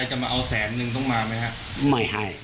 คนไข้จะเอาแสนหนึ่งต้องมาไปไหมครับ